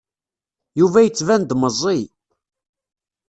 Yuba yettban-d meẓẓiy.